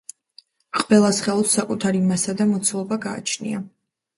ყველა სხეულს საკუთარი მასა და მოცულობა გააჩნია